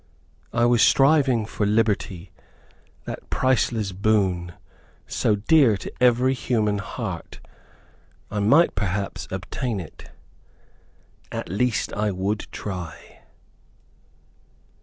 I was striving for liberty, that priceless boon, so dear to every human heart. I might, perhaps, obtain it. At least, I would try.